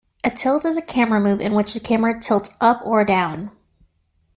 A tilt is a camera move in which the camera tilts up or down.